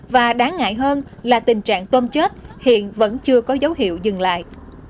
và đáng ngại hơn là tình trạng tôm chết hiện vẫn chưa có dấu hiệu dừng lại